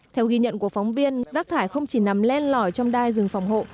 theo ghi nhận của phóng viên rác thải không chỉ nằm len lỏi trong đai rừng phòng hộ